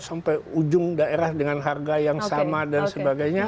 sampai ujung daerah dengan harga yang sama dan sebagainya